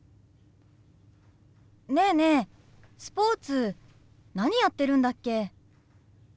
ねえねえスポーツ何やってるんだっけ？